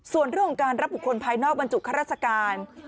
ส่วนเรื่องของการรับบุคคลภายนอกบรรจุข้าราชการ